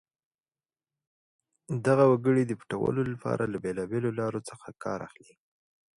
دغه وګړي د پټولو لپاره له بېلابېلو لارو څخه کار اخلي.